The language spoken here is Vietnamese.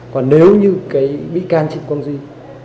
còn nếu như bị can trịnh quang duyên